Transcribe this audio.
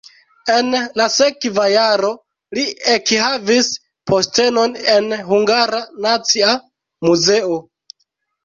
En la sekva jaro li ekhavis postenon en Hungara Nacia Muzeo.